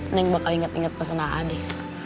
neng bakal inget inget pesan aan deh